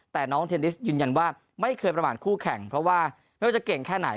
แต่น้องเทนนิสยืนยันว่าไม่เคยประมาทคู่แข่งเพราะว่าไม่ว่าจะเก่งแค่ไหน